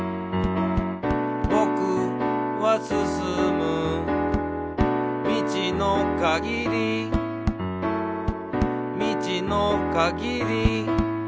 「ぼくはすすむ」「みちのかぎり」「みちのかぎり」